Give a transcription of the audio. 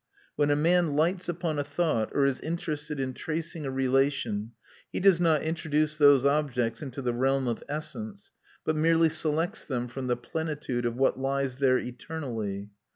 When a man lights upon a thought or is interested in tracing a relation, he does not introduce those objects into the realm of essence, but merely selects them from the plenitude of what lies there eternally.